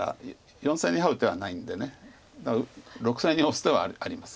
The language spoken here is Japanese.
４線にハウ手はないんで６線にオス手はあります。